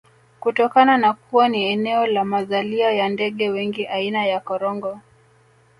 Kutokana na kuwa ni eneo la mazalia ya ndege wengi aina ya Korongo